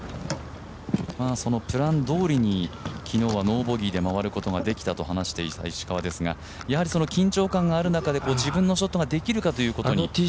プランどおりに昨日はノーボギーでまわることができたと話していた石川ですが緊張感がある中で、自分のショットができるかということですね。